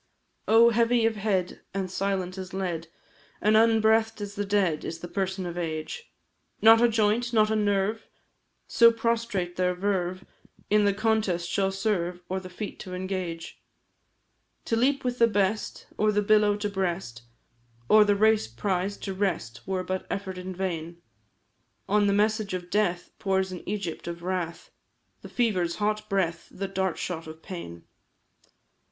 Oh! heavy of head, and silent as lead, And unbreathed as the dead, is the person of Age; Not a joint, not a nerve so prostrate their verve In the contest shall serve, or the feat to engage. To leap with the best, or the billow to breast, Or the race prize to wrest, were but effort in vain; On the message of death pours an Egypt of wrath, The fever's hot breath, the dart shot of pain.